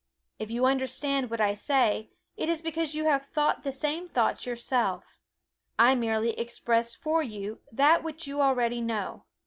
If you understand what I say, it is because you have thought the same thoughts yourself I merely express for you that which you already know.